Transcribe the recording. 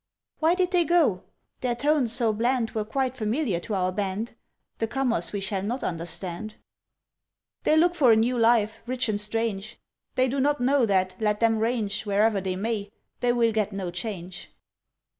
"Why did they go? Their tones so bland Were quite familiar to our band; The comers we shall not understand." "They look for a new life, rich and strange; They do not know that, let them range Wherever they may, they will get no change.